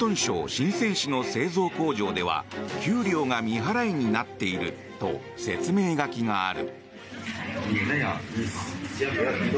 シンセン市の製造工場では給料が未払いになっていると説明書きがある。